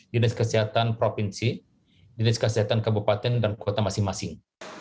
dinas kesehatan provinsi dinas kesehatan kabupaten dan kota masing masing